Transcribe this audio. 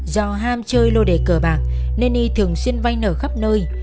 do ham chơi lô đề cờ bạc nên y thường xuyên vay nở khắp nơi